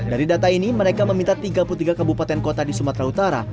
dari data ini mereka meminta tiga puluh tiga kabupaten kota di sumatera utara